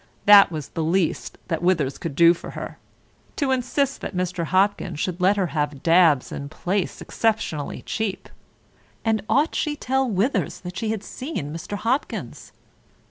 That was the least that Withers could do for her, to insist that Mr. Hopkins should let her have dabs and plaice exceptionally cheap. And ought she to tell Withers that she had seen Mr. Hopkins